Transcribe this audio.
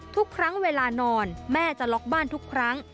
ทุกครั้งเวลานอนแม่จะล็อกบ้านทุกครั้ง